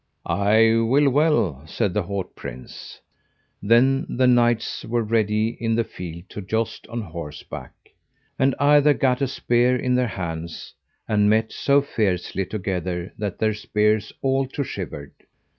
I will well, said the haut prince. Then the knights were ready in the field to joust on horseback; and either gat a spear in their hands, and met so fiercely together that their spears all to shivered.